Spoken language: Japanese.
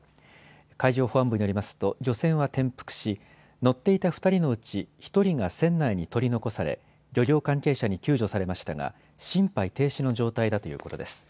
海上保安部によりますと漁船は転覆し、乗っていた２人のうち１人が船内に取り残され、漁業関係者に救助されましたが心肺停止の状態だということです。